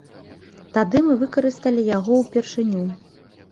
Тады мы выкарысталі яго ўпершыню.